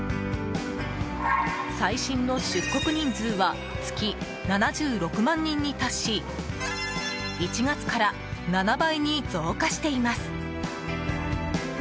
最新の出国人数は月７６万人に達し１月から７倍に増加しています。